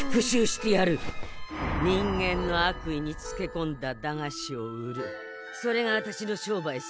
人間の悪意につけこんだ駄菓子を売るそれがあたしの商売さ。